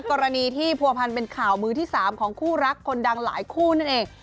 กรณีที่ผัวพันธ์เป็นข่าวมือที่๓ของคู่รักคนดังหลายคู่นั่นเอง